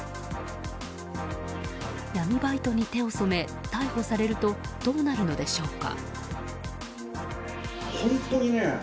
闇バイトに手を染め逮捕されるとどうなるのでしょうか。